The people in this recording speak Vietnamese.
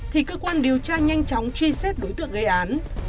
thì cơ quan điều tra nhanh chóng truy xét đối tượng gây án